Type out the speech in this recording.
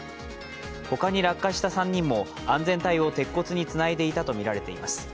ほかに落下した３人も安全帯を鉄骨につないでいたとみられます。